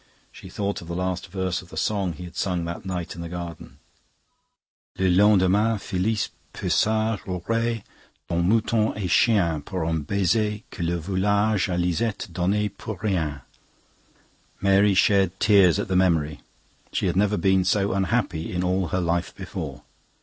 She thought of the last verse of the song he had sung that night in the garden. "Le lendemain, Phillis peu sage Aurait donne moutons et chien Pour un baiser que le volage A Lisette donnait pour rien." Mary shed tears at the memory; she had never been so unhappy in all her life before.